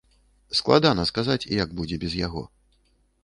Складана сказаць, як будзе без яго.